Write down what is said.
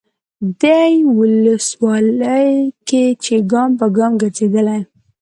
دې ولسوالۍ کې چې ګام به ګام ګرځېدلی،